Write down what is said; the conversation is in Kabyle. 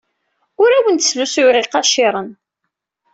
Ur awent-slusuyeɣ iqaciren.